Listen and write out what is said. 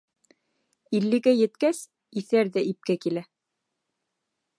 Иллегә еткәс иҫәр ҙә ипкә килә.